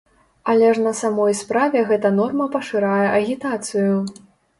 Але ж на самой справе гэта норма пашырае агітацыю!